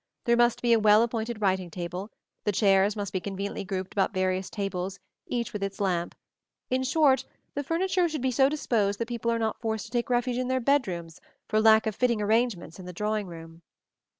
There must be a well appointed writing table; the chairs must be conveniently grouped about various tables, each with its lamp; in short, the furniture should be so disposed that people are not forced to take refuge in their bedrooms for lack of fitting arrangements in the drawing room.